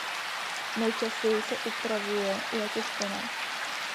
Nejčastěji se upravuje jako špenát.